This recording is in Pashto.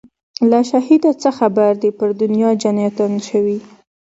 له شهیده څه خبر دي پر دنیا جنتیان سوي